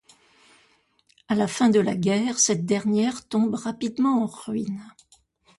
À la fin de la guerre, cette dernière tombe rapidement en ruine.